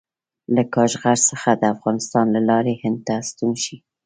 له کاشغر څخه د افغانستان له لارې هند ته ستون شي.